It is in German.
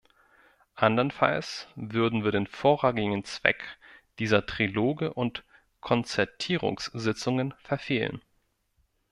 Andernfalls würden wir den vorrangigen Zweck dieser Triloge und Konzertierungssitzungen verfehlen.